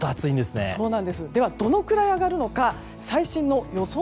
では、どのぐらい上がるのか最新の予想